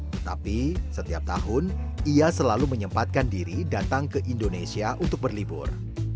tetapi setiap tahun ia selalu menyempatkan diri datang ke indonesia untuk berlibur